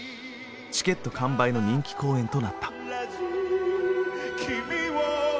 チケット完売の人気公演となった。